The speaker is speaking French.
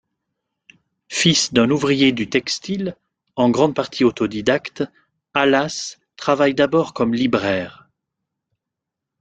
Fils d'un ouvrier du textile, en grande partie autodidacte, Halas travaille d'abord comme libraire.